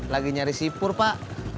lagi nyari sipur pak